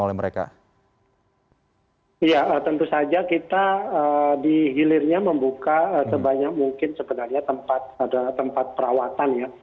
iya tentu saja kita di hilirnya membuka sebanyak mungkin sebenarnya tempat perawatan ya